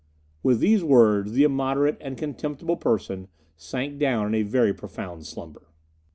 With these words the immoderate and contemptible person sank down in a very profound slumber.